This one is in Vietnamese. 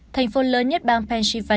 thành phố lớn nhất bang pennsylvania mỹ